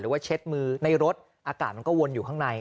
ว่าเช็ดมือในรถอากาศมันก็วนอยู่ข้างใน